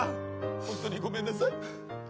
本当にごめんなさい。